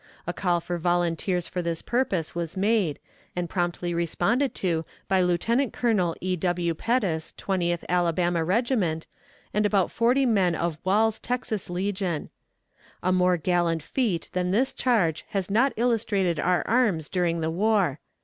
A call for volunteers for this purpose was made, and promptly responded to by Lieutenant Colonel E. W. Pettus, Twentieth Alabama Regiment, and about forty men of Waul's Texas Legion. A more gallant feat than this charge has not illustrated our arms during the war.